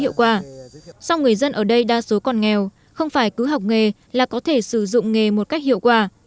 sau người dân ở đây đa số còn nghèo không phải cứ học nghề là có thể sử dụng nghề một cách hiệu quả